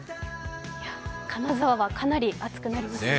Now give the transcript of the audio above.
金沢はかなり暑くなりますね。